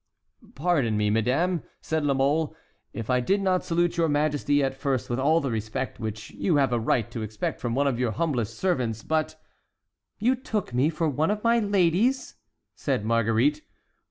"Pardon me, madame," said La Mole, "if I did not salute your majesty at first with all the respect which you have a right to expect from one of your humblest servants, but"— "You took me for one of my ladies?" said Marguerite.